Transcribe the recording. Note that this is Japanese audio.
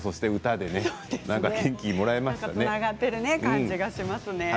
つながっている感じがしますね。